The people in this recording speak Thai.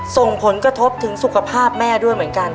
ส่งผลกระทบถึงสุขภาพแม่ด้วยเหมือนกัน